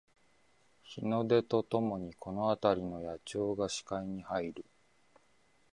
日の出とともにこのあたりの野鳥が視界に入る